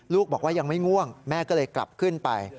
บอกว่ายังไม่ง่วงแม่ก็เลยกลับขึ้นไป